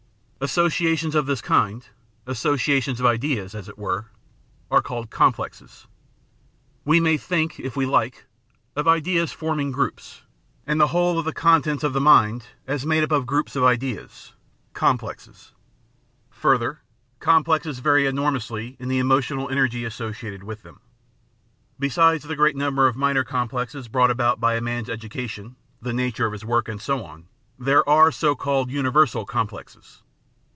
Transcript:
Associations of this kind — associations of ideas, as it were — are called complexes. We may think, if we like, of ideas forming groups, and the whole of the contents of the mind as 55^ The Outline of Science made up of groups of ideas — complexes. Further, complexes vary enormously in the emotional energy associated with them. Besides the great number of minor complexes brought about by a man's education, the nature of his work, and so on, there are so called imiversal complexes.